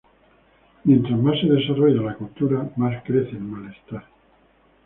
Mientras más se desarrolla la cultura, más crece el malestar.